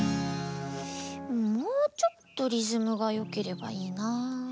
もうちょっとリズムがよければいいな。